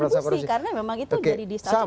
iya berkontribusi karena memang itu dari disokong